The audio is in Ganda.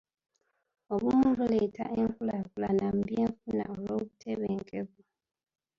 Obumu buleeta enkukulaakuna mu byenfuna olw'obutebenkevu.